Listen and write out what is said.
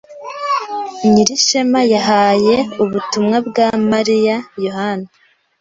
Nyirishema yahaye ubutumwa bwa Mariya Yohana.